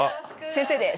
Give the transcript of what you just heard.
「先生です」